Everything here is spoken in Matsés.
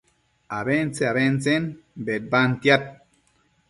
abentse-abentsen bedbantiad